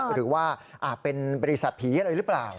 หรือว่าเป็นบริษัทผีอะไรหรือเปล่า